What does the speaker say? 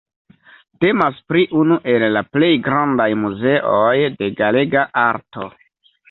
Temas pri unu el la plej grandaj muzeoj de galega arto.